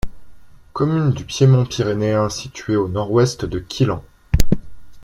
Commune du piémont pyrénéen située au nord-ouest de Quillan.